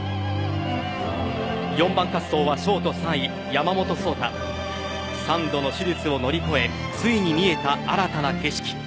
４番滑走はショート３位山本草太３度の手術を乗り越えついに見えた新たな景色。